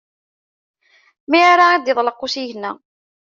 Mi ara d-iḍelq usigna.